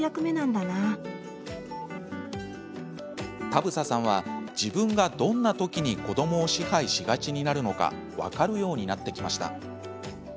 田房さんは自分がどんな時に子どもを支配しがちになるのか分かるようになってきました。